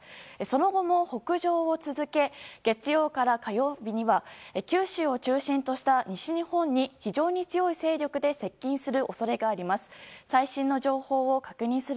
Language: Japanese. その後も北上を続け月曜から火曜日には九州を中心とした西日本に非常に強い勢力で接近する恐れがあります。